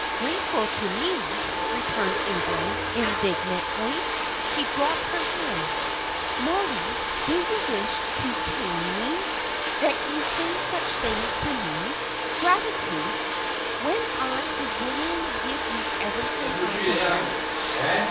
"Grateful to me!" returned Ingram, indignantly, and he dropped her hand. "Mollie, do you wish to pain me, that you say such things to me? Gratitude! when I would willingly give you everything I possess!